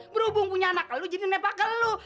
berhubung punya anak lu jadi nepa ke lu